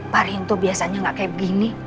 parinto biasanya gak kayak begini